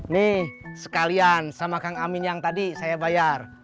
nih sekalian sama kang amin yang tadi saya bayar